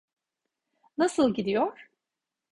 Nasıl gidiyor?